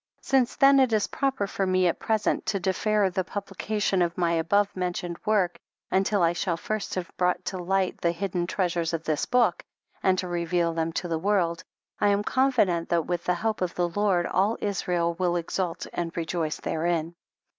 Since then it is proper for me at present to defer the publication of my above mentioned work until I shall first have brougiit to light the hidden treasures of this book and to reveal them to the world, I am confident that with the help of the Lord all Israel will exult and rejoice therein.